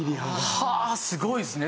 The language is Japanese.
はあすごいですね。